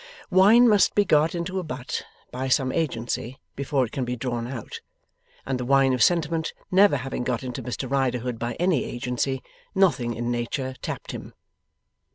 Wine must be got into a butt by some agency before it can be drawn out; and the wine of sentiment never having been got into Mr Riderhood by any agency, nothing in nature tapped him.